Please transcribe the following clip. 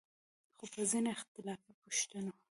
خو پۀ ځينې اختلافي پوسټونو